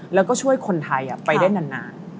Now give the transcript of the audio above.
แล้วก็ช่วยคนไทยไปได้นาน